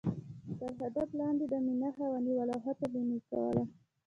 تر هدف لاندې به مې نښه ونیوله او هڅه به مې کوله.